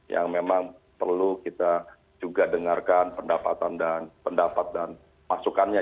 yang memang perlu kita juga dengarkan pendapatan pendapat dan masukannya